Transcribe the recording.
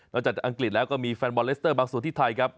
จากอังกฤษแล้วก็มีแฟนบอลเลสเตอร์บางส่วนที่ไทยครับ